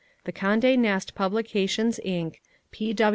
The Conde Nast Publications, Inc.